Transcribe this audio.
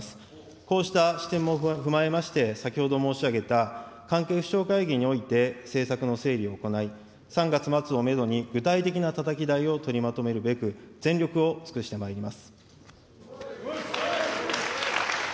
こうした視点も踏まえまして、先ほど申し上げた関係府省会議において、政策の整理を行い、３月末をメドに具体的なたたき台を取りまとめるべく、全力を尽くしてまいります。